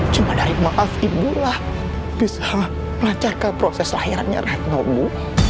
cuma dari maaf ibu lah bisa melancarkan proses lahirannya retno ibu